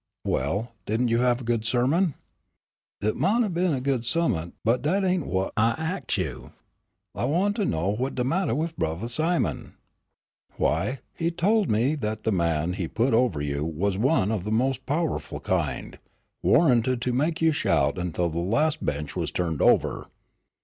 "Well, didn't you have a good sermon?" "It mought 'a' been a good sehmont, but dat ain' whut I ax you. I want to know whut de mattah wif Brothah Simon." "Why, he told me that the man he put over you was one of the most powerful kind, warranted to make you shout until the last bench was turned over."